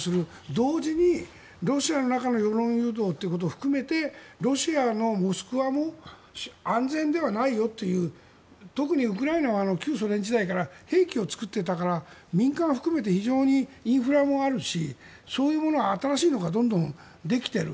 同時にロシアの中の世論誘導も含めてロシアのモスクワも安全ではないよという特にウクライナは旧ソ連時代から兵器を作っていたから民間を含めて非常にインフラもあるしそういうもの、新しいものがどんどんできている。